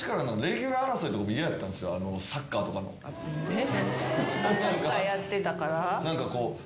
えっ？